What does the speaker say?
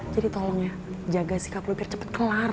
jadi tolong ya jaga sikap lo biar cepet kelar